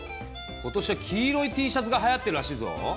今年は黄色いＴシャツがはやってるらしいぞ。